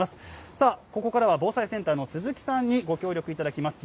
さあ、ここからは防災センターの鈴木さんに、ご協力いただきます。